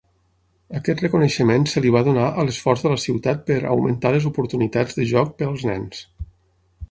Aquest reconeixement se li va donar a l'esforç de la ciutat per "augmentar les oportunitats de joc per als nens".